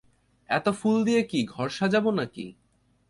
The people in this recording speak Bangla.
এত ফুল দিয়ে কি, ঘর সাজাবো নাকি?